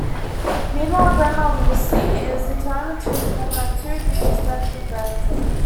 Meanwhile, Grandma Lucy is determined to reform her two disrespectful grandsons.